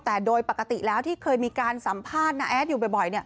แต่โดยปกติแล้วที่เคยมีการสัมภาษณ์น้าแอดอยู่บ่อย